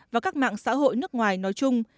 và các mạng xã hội nước ngoài nói chung